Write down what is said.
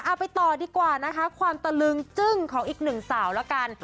ไปต่อดีกว่านะคะความตะลึงจึ้งของอีกหนึ่งสาวแล้วกัน